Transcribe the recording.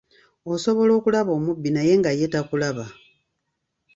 Osobola okulaba omubbi naye nga ye takulaba.